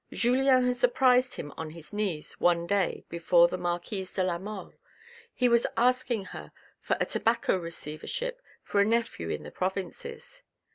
Julien had surprised him on his knees one day before the marquise de la Mole ; he was asking her for a tobacco receiver ship for a nephew in the provinces.